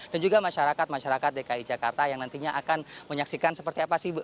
dan juga masyarakat masyarakat dki jakarta yang nantinya akan menyaksikan seperti apa sih